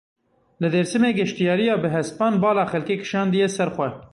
Li Dêrsimê geştyariya bi hespan bala xelkê kişandiye ser xwe.